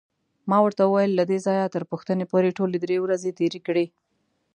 ما ورته وویل: له دې ځایه تر پوښتنې پورې ټولې درې ورځې تېرې کړې.